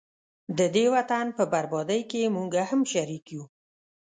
ددې وطن په بربادۍ کي موږه هم شریک وو